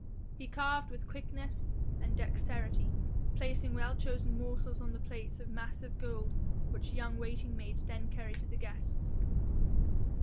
He carved with quickness and dexterity, placing well chosen morsels on the plates of massive gold which young waiting maids then carried to the guests.